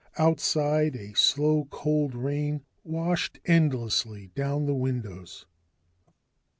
Outside, a slow cold rain washed endlessly down the windows.